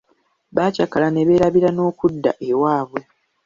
Baakyakala ne beerabira n'okudda ewaabwe.